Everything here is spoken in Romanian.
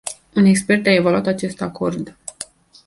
Un expert a evaluat acest acord.